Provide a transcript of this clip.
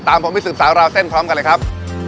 ตามผมไปสืบสาวราวเส้นพร้อมกันเลยครับ